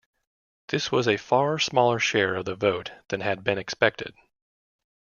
This was a far smaller share of the vote than had been expected.